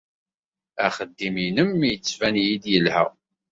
Axeddim-nnem yettban-iyi-d yelha.